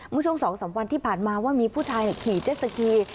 เมื่อช่วง๒๓วันที่ผ่านมาว่ามีผู้ชายขี่เจ็ดสกี